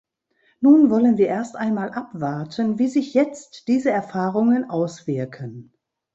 Nun wollen wir erst einmal abwarten, wie sich jetzt diese Erfahrungen auswirken.